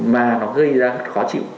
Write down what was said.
mà nó gây ra khó chịu